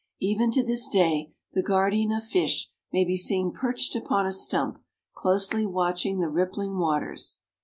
Even to this day the guardian of fish may be seen perched upon a stump, closely watching the rippling waters.